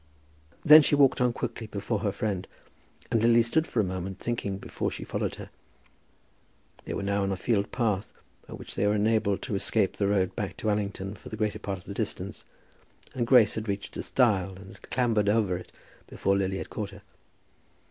Then she walked on quickly before her friend, and Lily stood for a moment thinking before she followed her. They were now on a field path, by which they were enabled to escape the road back to Allington for the greater part of the distance, and Grace had reached a stile, and had clambered over it before Lily had caught her.